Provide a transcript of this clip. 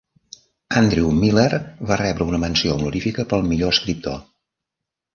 Andrew Miller va rebre una Menció Honorífica pel Millor Escriptor.